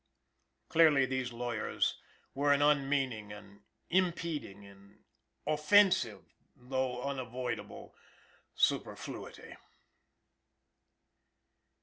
Clearly these lawyers were an unmeaning, an impeding, an offensive, though unavoidable, superfluity.